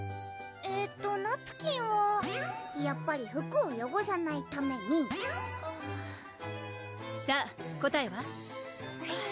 えーっとナプキンはやっぱり服をよごさないためにさぁ答えは？